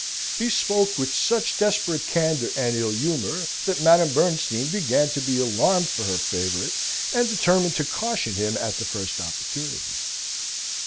He spoke with such desperate candour and ill humour, that Madame Bernstein began to be alarmed for her favourite, and determined to caution him at the first opportunity.